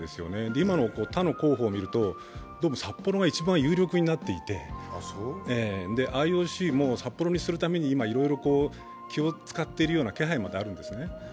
今、他の候補を見ると、どうも札幌が一番有力になっていてＩＯＣも札幌にするために、今、気を遣っているような気配まであるんですね。